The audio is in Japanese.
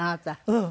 うん。